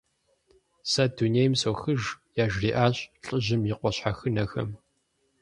Сэ дунейм сохыж, - яжриӏащ лӏыжьым и къуэ щхьэхынэхэм.